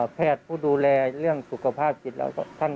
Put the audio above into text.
แพทย์ผู้ดูแลเรื่องสุขภาพจิตเรา